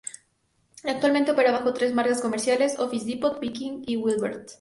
Actualmente opera bajo tres marcas comerciales: "Office Depot", "Viking" y "Guilbert".